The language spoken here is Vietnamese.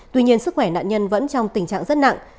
tuy nhiên sức khỏe nạn nhân vẫn trong tình trạng rất nặng